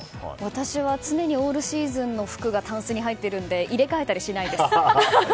私は常にオールシーズンの服がたんすに入っているので入れ替えたりしないです。